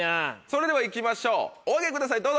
それでは行きましょうお上げくださいどうぞ。